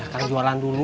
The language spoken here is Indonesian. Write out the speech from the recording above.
akang jualan dulu